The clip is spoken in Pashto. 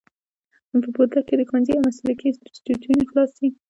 په بولدک کي دي ښوونځی او مسلکي انسټیټونه خلاص سي.